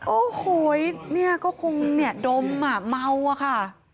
โอ้โหเนี่ยก็คงดมเมาค่ะ